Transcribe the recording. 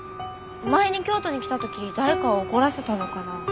前に京都に来た時に誰かを怒らせたのかな？